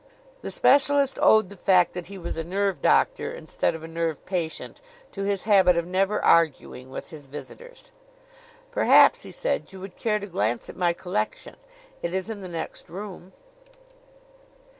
The specialist owed the fact that he was a nerve doctor instead of a nerve patient to his habit of never arguing with his visitors. "Perhaps," he said, "you would care to glance at my collection. It is in the next room."